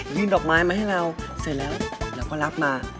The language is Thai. ดอกไม้มาให้เราเสร็จแล้วเราก็รับมา